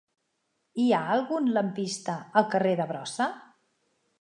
Hi ha algun lampista al carrer de Brossa?